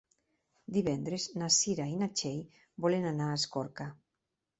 Divendres na Cira i na Txell volen anar a Escorca.